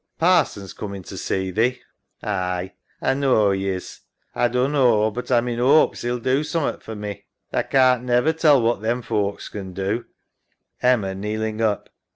Parson's coomin' to see thee. SARAH. Aye, A knaw 'e is. A dunno, but A'm in 'opes 'e'U do summat for me. Tha can't never tell what them folks can do. EMMA (kneeling up).